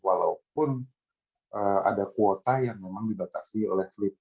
walaupun ada kuota yang memang dibatasi oleh klip